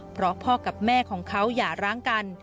เพราะพ่อกับแม่ของเขาอย่าร้างกัน